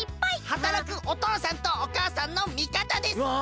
はたらくおとうさんとおかあさんのみかたです！わ！